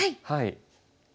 はい。